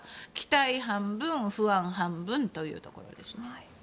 期待半分、不安半分というところですね。